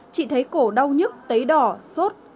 chị thấy cổ đau nhất tấy đỏ sốt